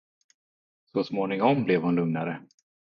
Så småningom blev hon lugnare.